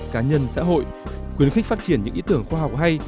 đơn vị cá nhân xã hội khuyến khích phát triển những ý tưởng khoa học hay